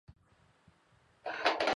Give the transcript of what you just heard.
由主办方负责在分赛区当地挑选。